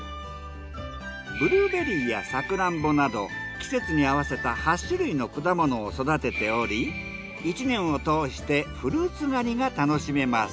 ブルーベリーやサクランボなど季節に合わせた８種類の果物を育てており１年を通してフルーツ狩りが楽しめます。